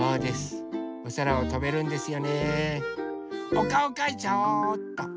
おかおかいちゃおうっと！